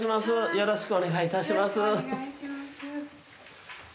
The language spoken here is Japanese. よろしくお願いします。